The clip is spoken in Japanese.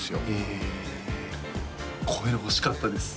へえこういうの欲しかったです